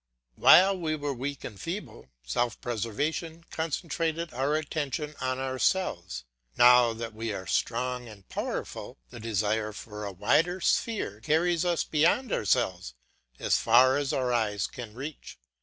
While we were weak and feeble, self preservation concentrated our attention on ourselves; now that we are strong and powerful, the desire for a wider sphere carries us beyond ourselves as far as our eyes can reach.